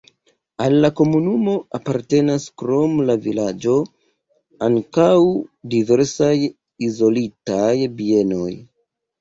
Al la komunumo apartenas krom la vilaĝo ankaŭ diversaj izolitaj bienoj.